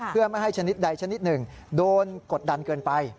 เพื่อไม่ให้ชนิดใดชนิดหนึ่งโดนกดดันเกินไป